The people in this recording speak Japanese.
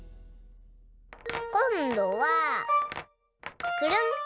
こんどはくるん。